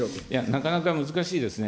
なかなか難しいですね。